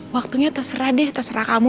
waktunya terserah deh terserah kamu